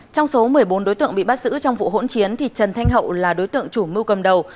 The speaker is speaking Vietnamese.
trong số một mươi bốn đối tượng bị bắt giữ trong vụ hỗn chiến trần thanh hậu là đối tượng chủ mưu cầm đầu